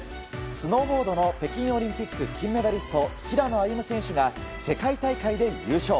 スノーボードの北京オリンピック金メダリスト平野歩夢選手が世界大会で優勝。